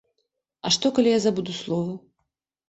А што, калі я забуду словы?